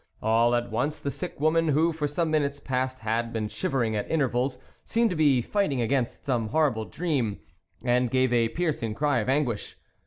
All at once, the sick woman, who for some minutes past had been shivering at intervals, seemed to be fight ing against some horrible dream, and gave a piercing cry of anguish.